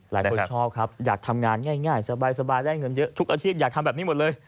หลายคนชอบครับอยากทำงานง่ายทุกอาชีพอยากทำแบบนี้หมดเลย